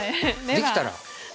できたら。